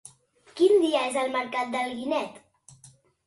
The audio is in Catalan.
Quin dia és el mercat d'Alginet?